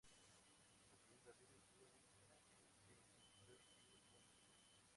Nacido en Berlín, estudió música en Heidelberg y Münster.